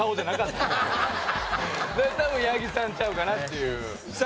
たぶん八木さんちゃうかなっていうさあ